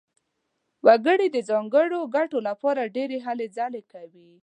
وګړي د ځانګړو ګټو لپاره ډېرې هلې ځلې کوي.